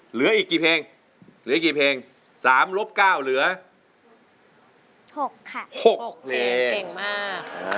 เหลืออีกกี่เพลงเหลืออีกกี่เพลงสามลบเก้าเหลือหกค่ะหกเพลงเก่งมาก